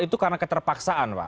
itu karena keterpaksaan pak